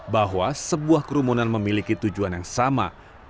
bahwa sebuah kerumunan memiliki tujuan yang sama